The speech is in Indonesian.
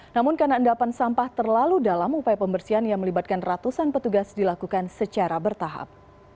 namun karena endapan sampah terlalu dalam upaya pembersihan yang melibatkan ratusan petugas dilakukan secara bertahap